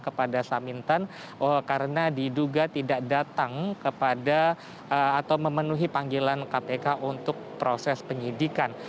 karena diduga tidak datang atau memenuhi panggilan kpk untuk proses penyidikan